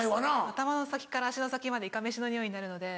頭の先から足の先までいかめしの匂いになるので。